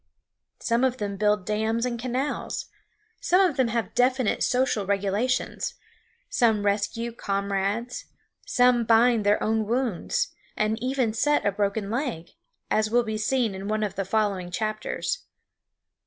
Some of them build dams and canals; some have definite social regulations; some rescue comrades; some bind their own wounds, and even set a broken leg, as will be seen in one of the following chapters.